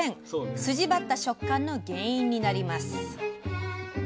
筋張った食感の原因になります。